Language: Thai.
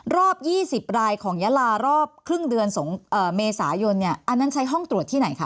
รอบ๒๐รายของยาลารอบครึ่งเดือนเมษายนเนี่ยอันนั้นใช้ห้องตรวจที่ไหนคะ